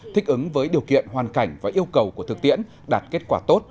thích ứng với điều kiện hoàn cảnh và yêu cầu của thực tiễn đạt kết quả tốt